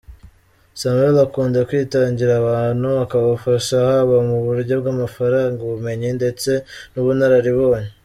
Samuel akunda kwitangira abantu, akabafasha haba mu buryo bw’amafaranga, ubumenyi ndetse n’ubunararibonye.